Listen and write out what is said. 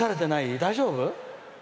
大丈夫？